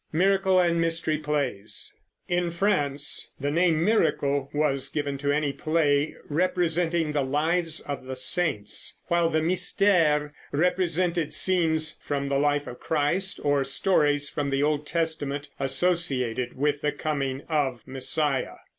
MIRACLE AND MYSTERY PLAYS. In France the name miracle was given to any play representing the lives of the saints, while the mystère represented scenes from the life of Christ or stories from the Old Testament associated with the coming of Messiah.